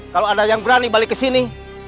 kalau ada yang berani balik kesini